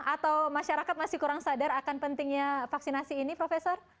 atau masyarakat masih kurang sadar akan pentingnya vaksinasi ini profesor